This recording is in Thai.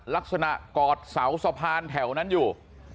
ลักษณะกอดเสาสะพานแถวนั้นอยู่